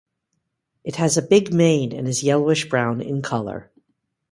It has a big mane and is yellowish-brown in color.